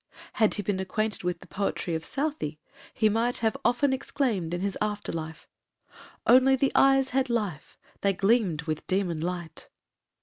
Had he been acquainted with the poetry of Southey, he might have often exclaimed in his after life, 'Only the eyes had life, They gleamed with demon light.'